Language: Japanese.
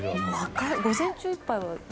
午前中いっぱいは。